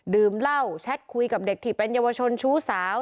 ดื่มเหล้าแชทคุยกับเด็กที่เป็นเยาวชนชู้สาว